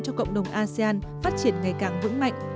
cho cộng đồng asean phát triển ngày càng vững mạnh